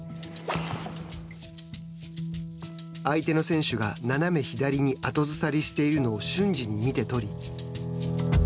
相手の選手が斜め左に後ずさりしているのを瞬時に見て取り。